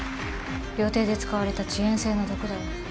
料亭で使われた遅延性の毒だよ